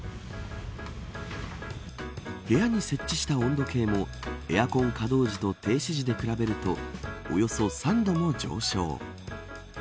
部屋に設置した温度計もエアコン稼動時と停止時で比べるとおよそ３度も上昇。